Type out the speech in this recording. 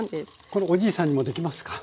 このおじいさんにもできますか？